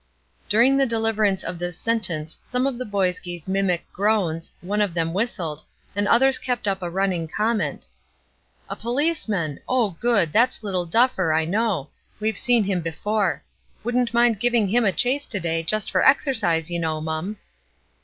During the deliverance of this sentence some of the boys gave mimic groans, one of them whistled, and others kept up a running comment: "A policeman! oh good! that's little Duffer, I know! We've seen him before! Wouldn't mind giving him a chase to day, just for exercise, you know, mum."